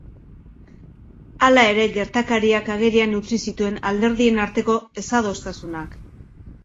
Hala ere, gertakariak agerian utzi zituen alderdien arteko ezadostasunak.